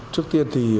trước tiên thì